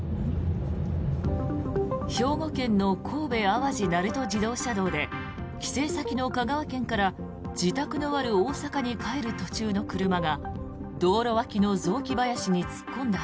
兵庫県の神戸淡路鳴門自動車道で帰省先の香川県から自宅のある大阪に帰る途中の車が道路脇の雑木林に突っ込んだ